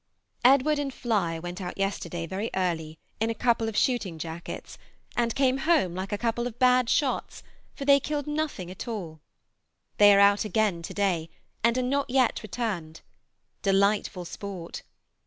Edward and Fly went out yesterday very early in a couple of shooting jackets, and came home like a couple of bad shots, for they killed nothing at all. They are out again to day, and are not yet returned. Delightful sport!